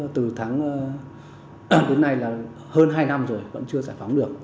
từ tháng đến nay là hơn hai năm rồi vẫn chưa giải phóng được